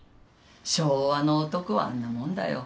昭和の男はあんなもんだよ。